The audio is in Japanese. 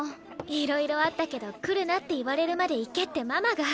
いろいろあったけど来るなって言われるまで行けってママが。